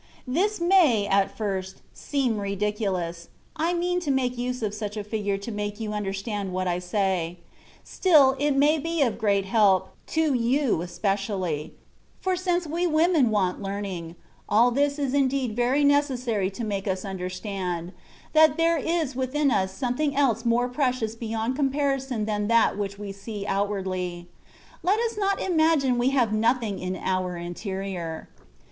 This may, at first, seem ridiculous (I mean to make use of such a figure to make you understand what I say) : still it may be of great help, to you espe ciaUy ; for since we women want learning, all this is indeed very necessary to make us understand, that there is within us something else more pre cious beyond comparison than that which we see outwardly. Let us not imagine we have nothing in our interior.